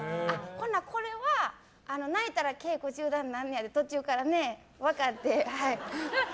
ほなこれは泣いたら稽古中断なるんやって途中から分かって。